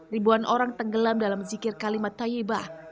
ribuan orang tenggelam dalam zikir kalimat tayyibah